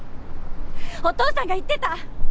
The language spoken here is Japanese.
お父さんが言ってた。